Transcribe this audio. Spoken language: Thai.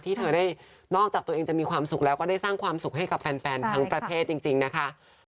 เธอได้นอกจากตัวเองจะมีความสุขแล้วก็ได้สร้างความสุขให้กับแฟนทั้งประเทศจริงนะคะ